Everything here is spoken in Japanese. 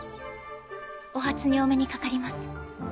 お初にお目にかかります。